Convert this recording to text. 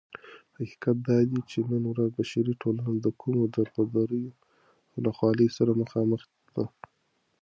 حقيقت دادى چې نن ورځ بشري ټولنه دكومو دربدريو او ناخوالو سره مخامخ ده